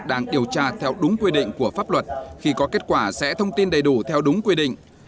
đang điều tra theo đúng quy định của pháp luật khi có kết quả sẽ thông tin đầy đủ theo đúng quy định